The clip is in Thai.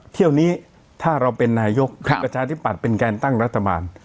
เที่ยวนี้ถ้าเราเป็นนายกประชาธิปัตย์เป็นการตั้งรัฐบาล